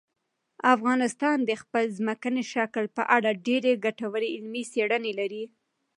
افغانستان د خپل ځمکني شکل په اړه ډېرې ګټورې علمي څېړنې لري.